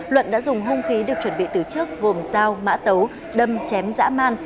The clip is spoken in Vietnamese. luận đã dùng hông khí được chuẩn bị từ trước vồm dao mã tấu đâm chém dã man